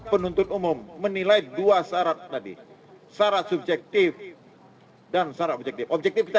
penuntut umum menilai dua syarat tadi syarat subjektif dan syarat objektif objektif kita